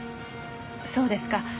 そうですか。